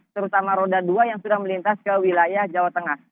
terutama roda dua yang sudah melintas ke wilayah jawa tengah